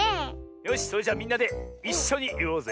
よしそれじゃみんなでいっしょにいおうぜ。